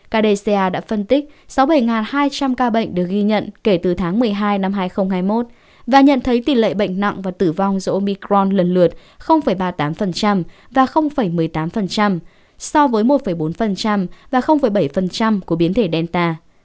kdca đã phân tích sáu mươi bảy hai trăm linh ca bệnh được ghi nhận kể từ tháng một mươi hai năm hai nghìn hai mươi một và nhận thấy tỷ lệ bệnh nặng và tử vong do omicron lần lượt ba mươi tám và một mươi tám so với một bốn và bảy của biến thể delta